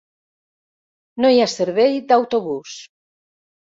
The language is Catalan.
No hi ha servei d'autobús.